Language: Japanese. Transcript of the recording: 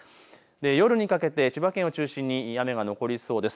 夜にかけて千葉県を中心に雨が残りそうです。